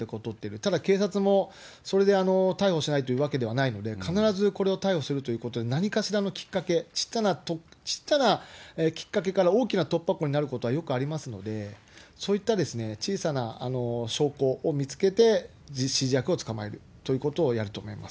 ただ、警察もそれで逮捕しないというわけではないので、必ずこれを逮捕するということで、何かしらのきっかけ、ちっちゃなきっかけから大きな突破口になることはよくありますので、そういった小さな証拠を見つけて指示役を捕まえるということをやると思います。